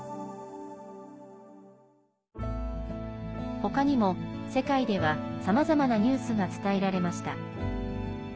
他にも、世界ではさまざまなニュースが伝えられました。